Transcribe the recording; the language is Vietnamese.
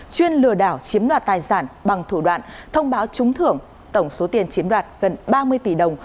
chuyên lừa đảo chiếm đoạt tài sản bằng thủ đoạn thông báo trúng thưởng tổng số tiền chiếm đoạt gần ba mươi tỷ đồng